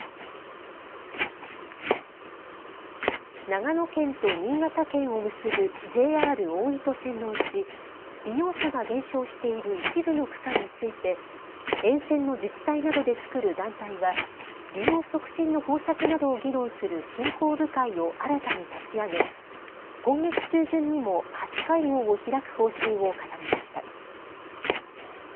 長野県と新潟県を結ぶＪＲ大糸線のうち利用者が減少している一部の区間について沿線の自治体などで作る団体は利用促進の方策などを議論する振興部会を新たに立ち上げ、今月中旬にも初会合を開く方針を固めました。